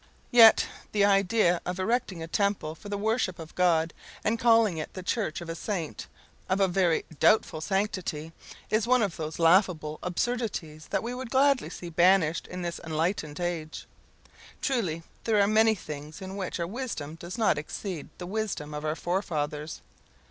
Yet the idea of erecting a temple for the worship of God, and calling it the church of a saint of very doubtful sanctity, is one of those laughable absurdities that we would gladly see banished in this enlightened age. Truly, there are many things in which our wisdom does not exceed the wisdom of our forefathers.